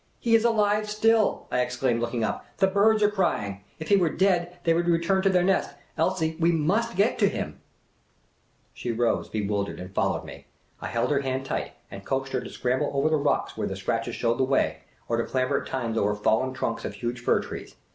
" He is alive still," I exclaimed, looking up ;" the birds are crying ! If he were dead, they would return to their nest — Elsie, we must get to him !" She rose, bewildered, and followed me. I held her hand tight, and coaxed her to scramble over the rocks where the scratches showed the way, or to clamber at times over fallen trunks of huge fir trees.